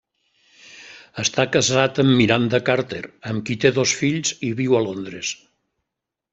Està casat amb Miranda Carter, amb qui té dos fills i viu a Londres.